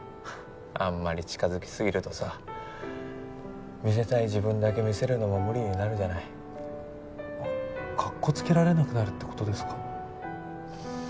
あんまり近づきすぎるとさ見せたい自分だけ見せるのも無理になるじゃないかっこつけられなくなるってことですか？